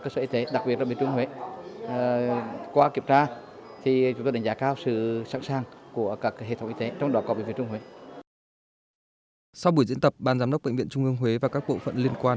sau buổi diễn tập ban giám đốc bệnh viện trung ương huế và các bộ phận liên quan